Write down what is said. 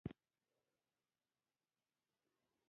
هغه د خپل پایتخت پر لور روان شو.